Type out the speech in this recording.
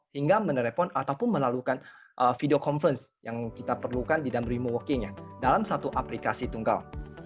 hingga menelpon ataupun melalukan video conference yang kita perlukan di dambrimo workingnya dalam satu aplikasi tunggal